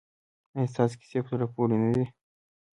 ایا ستاسو کیسې په زړه پورې نه دي؟